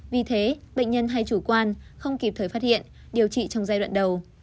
vì thế bệnh nhân hay chủ quan không kịp thời phát hiện điều trị trong giai đoạn đầu